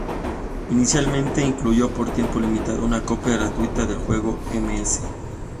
Inicialmente incluyó, por tiempo limitado, una copia gratuita del juego "Ms.